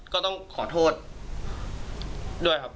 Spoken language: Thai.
ก็ต้องขอโทษด้วยครับ